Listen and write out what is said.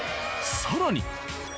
更に。